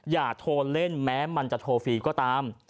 อย่าโทรเล่นแม้มันจะโทรฟรีก็ตาม